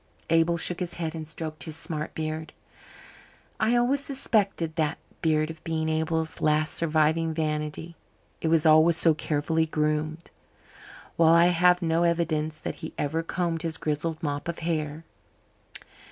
Abel shook his head and stroked his smart beard. I always suspected that beard of being Abel's last surviving vanity. It was always so carefully groomed, while I had no evidence that he ever combed his grizzled mop of hair.